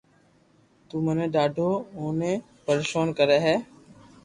تو مني ڌاڌو اوني پرآݾون ڪري ھي